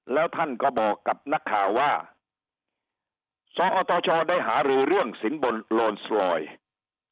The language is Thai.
แล้วท่านก็บอกกับนักข่าวว่าสอตชได้หารือเรื่องสินบนโลนสรอยด์